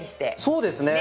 そうですね。